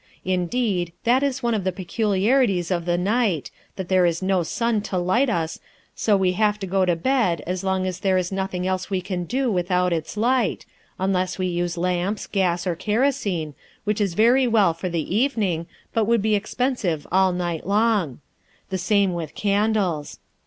Indeed, that is one of the peculiarities of the night, that there is no sun to light us, so we have to go to bed as long as there is nothing else we can do without its light, unless we use lamps, gas, or kerosene, which is very well for the evening, but would be expensive all night long; the same with candles.